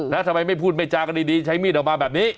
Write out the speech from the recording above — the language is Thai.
แล้วทำไมไม่พูดไม่จากันดีใช้มีดออกมาแบบนี้